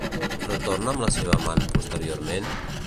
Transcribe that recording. Retorna amb la seva amant posteriorment?